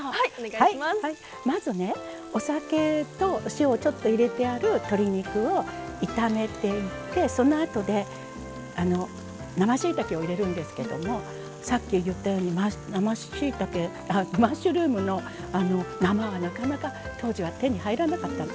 まずお酒とお塩がちょっと入れてある鶏肉を炒めていって、そのあとで生しいたけを入れるんですけどさっき入れたようにマッシュルームの生はなかなか当時は手に入らなかったの。